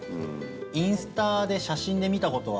インスタで写真で見た事は。